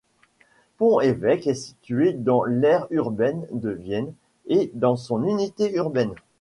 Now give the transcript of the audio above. Pont-Évêque est située dans l'aire urbaine de Vienne et dans son unité urbaine.